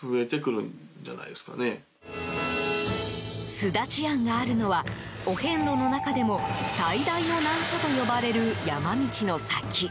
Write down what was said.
すだち庵があるのはお遍路の中でも最大の難所と呼ばれる山道の先。